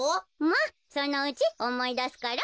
まっそのうちおもいだすから。